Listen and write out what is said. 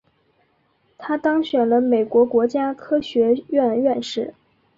他当选了美国国家科学院院士。